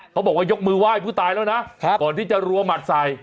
บอกว่ายกมือไหว้ผู้ตายแล้วนะก่อนที่จะรัวหมัดใส่